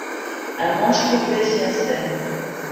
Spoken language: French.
Un manche courbé s'y insère.